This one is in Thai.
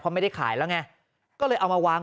ไม่ได้ขายแล้วไงก็เลยเอามาวาง